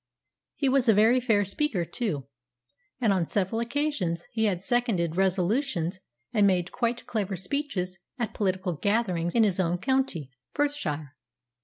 He was a very fair speaker, too, and on several occasions he had seconded resolutions and made quite clever speeches at political gatherings in his own county, Perthshire.